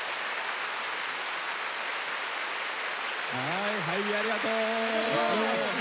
はいＨｉ美ありがとう。